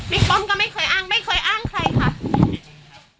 ป้อมก็ไม่เคยอ้างไม่เคยอ้างใครค่ะ